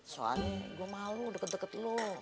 soalnya gue malu deket deket lu